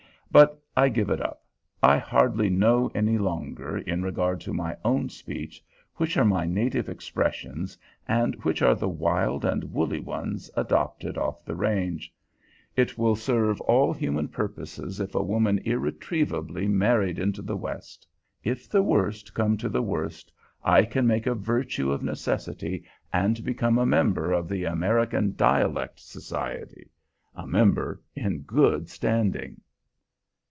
But I give it up. I hardly know any longer, in regard to my own speech, which are my native expressions and which are the wild and woolly ones adopted off the range. It will serve all human purposes of a woman irretrievably married into the West. If the worst come to the worst, I can make a virtue of necessity and become a member of the "American Dialect Society" a member in good standing.